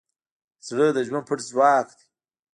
زړه د ژوند پټ ځواک دی.